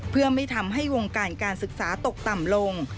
เพื่อไม่ทำให้วงการการศึกษาตกต่ำลง